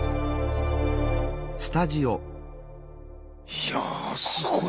いやぁすごい。